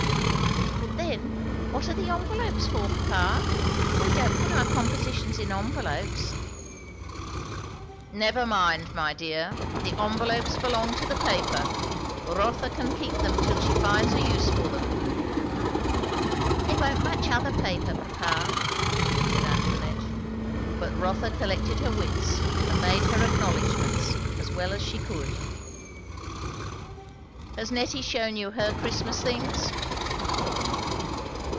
"But then, what are the envelopes for, papa? We don't put our compositions in envelopes." "Never mind, my dear; the envelopes belong to the paper. Rotha can keep them till she finds a use for them." "They won't match other paper, papa," said Antoinette. But Rotha collected her wits and made her acknowledgments, as well as she could. "Has Nettie shewn you her Christmas things?"